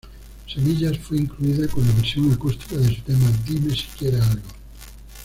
Semillas fue incluida con la versión acústica de su tema "Dime siquiera algo".